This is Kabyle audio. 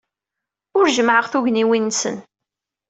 Ur jemmɛeɣ tugniwin-nsen.